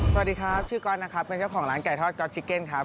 สวัสดีครับชื่อก๊อตนะครับเป็นเจ้าของร้านไก่ทอดก๊อตชิเก็นครับ